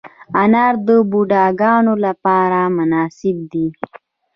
انار د بوډاګانو لپاره مناسب دی.